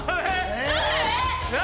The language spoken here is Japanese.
何？